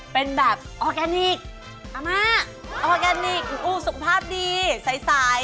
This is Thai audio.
เป็นแบบออร์แกนิคอม่าออร์แกนิคอูสุขภาพดีใส